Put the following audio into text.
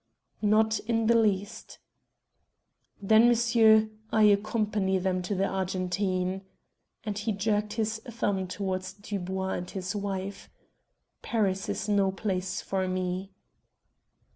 "Not in the least." "Then, M'sieu', I accompany them to the Argentine," and he jerked his thumb towards Dubois and his wife. "Paris is no place for me."